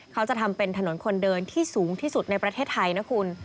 เขาจะทำเป็นถนนคนเดินที่สูงที่สุดในประเทศไทยนะคุณ